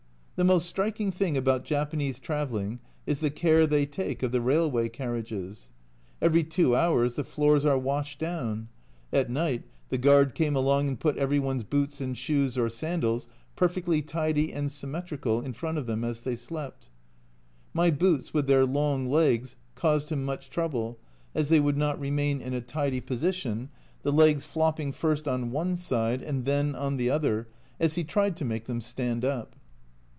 The most striking thing about Japanese travelling is the care they take of the railway carriages. Every two hours the floors were washed down. At night the guard came along and put every one's boots and shoes or sandals perfectly tidy and symmetrical in front of them as they slept. My boots, with their long legs, caused him much trouble, as they would not remain in a tidy position, the legs flopping first on one side and then on the other as he tried to make them stand up.